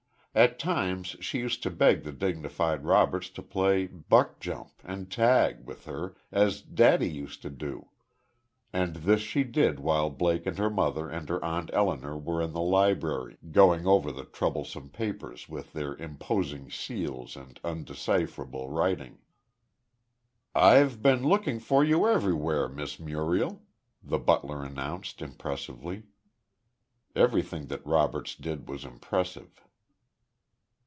At times she used to beg the dignified Roberts to play buck jump, and tag, with her, as "daddy used to do." And this she did while Blake and her mother and her Aunt Elinor were in the library, going over the troublesome papers with their imposing seals and undecipherable writing. "I've been looking for you everyw'ere, Miss Muriel," the butler announced, impressively. Everything that Roberts did was impressive.